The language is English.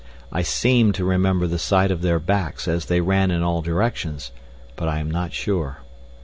I seem to remember the sight of their backs as they ran in all directions, but I am not sure.